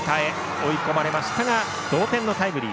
追い込まれましたが同点のタイムリー。